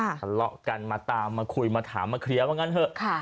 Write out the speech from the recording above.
ทะเลาะกันมาตามมาคุยมาถามมาเคลียร์ว่างั้นเถอะ